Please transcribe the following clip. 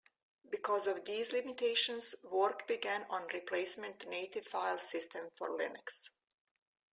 Because of these limitations, work began on a replacement native file system for Linux.